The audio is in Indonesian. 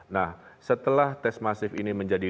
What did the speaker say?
nah setelah tes masif ini menjadi